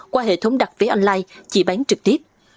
qua hệ thống đặt vé online chỉ bán trực tiếp